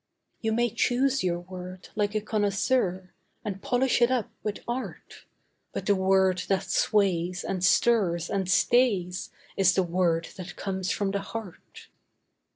You may choose your word like a connoisseur, And polish it up with art, But the word that sways, and stirs, and stays, Is the word that comes from the heart.